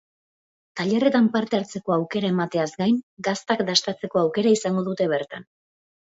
Tailerretan parte hartzeko aukera emateaz gain, gaztak dastatzeko aukera izango dute bertan.